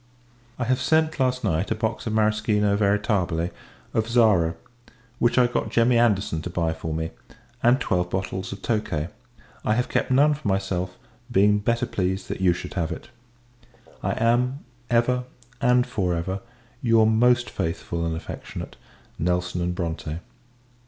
I have sent, last night, a box of Marischino Veritabile of Zara, which I got Jemmy Anderson to buy for me, and twelve bottles of tokay. I have kept none for myself, being better pleased that you should have it. I am, ever, and for ever, your most faithful and affectionate NELSON & BRONTE.